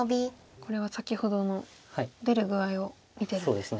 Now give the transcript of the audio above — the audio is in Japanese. これは先ほどの出る具合を見てるんですね。